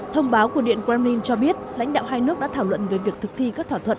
thông báo của điện kremlin cho biết lãnh đạo hai nước đã thảo luận về việc thực thi các thỏa thuận